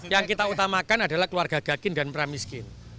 yang kita utamakan adalah keluarga gakin dan pramiskin